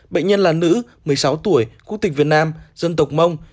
bệnh nhân là nữ một mươi sáu tuổi quốc tịch việt nam dân tộc mông